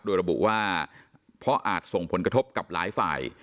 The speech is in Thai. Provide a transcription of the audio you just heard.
โดยระบุว่าเพราะอาจส่งผลกระทบกับหลายฝ่าย